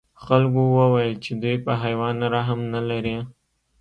خلکو وویل چې دوی په حیوان رحم نه لري.